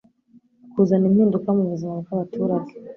kuzana impinduka mu buzima bw'abaturage